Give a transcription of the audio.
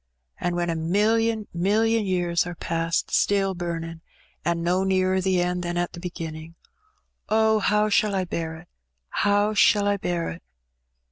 And when a million milUon years are past, stiU bumin', and no nearer the end than at the beginnin'. Oh, how shall I bear it — ^how shall I bear it?